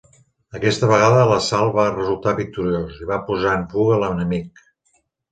Aquesta vegada l'assalt va resultar victoriós i va posar en fuga l'enemic.